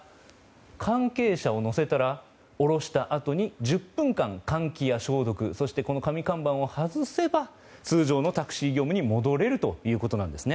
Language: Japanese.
関係者を乗せたら降ろしたあとに１０分間換気や消毒そして紙看板を外せば通常のタクシー業務に戻れるということなんですね。